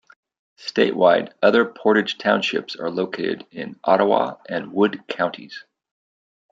Statewide, other Portage Townships are located in Ottawa and Wood counties.